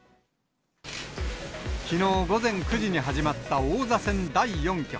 きのう午前９時に始まった王座戦第４局。